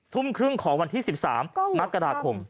ทุ่มครึ่งของวันที่๑๓มกราคม